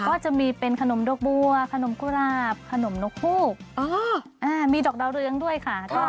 ก็จะมีเป็นขนมโดกบัวขนมกุราบขนมโน้โคมีดอกเดาเรื้องด้วยค่ะ